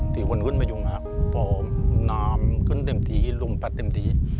ที่คนขึ้นมาอยู่น่ะพอน้ำขึ้นเต็มทีลุ่มปัดเต็มที